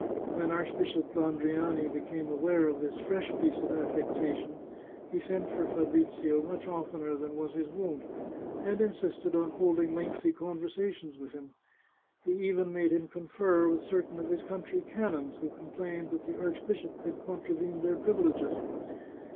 When Archbishop Landriani became aware of this fresh piece of affectation he sent for Fabrizio much oftener than was his wont, and insisted on holding lengthy conversations with him. He even made him confer with certain of his country canons, who complained that the archbishop had contravened their privileges.